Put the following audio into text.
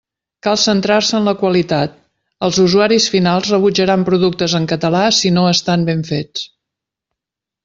Cal centrar-se en la qualitat: els usuaris finals rebutjaran productes en català si no estan ben fets.